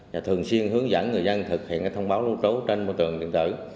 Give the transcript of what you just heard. và thường xuyên hướng dẫn người dân thực hiện các thông báo lưu trú trên mô tường điện tử